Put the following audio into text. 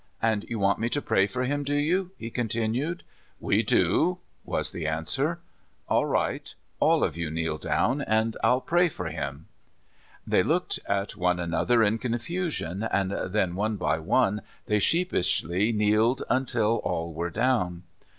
"And you want me to pray for him, do you?" he continued. " We do," was the answer. "All right — all of you kneel down, and I '11 pray for him." They looked at one another in confusion, and then one by one they sheepishly kneeled until all were down.